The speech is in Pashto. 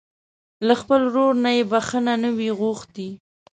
له خپل ورور نه يې بښته نه وي غوښتې.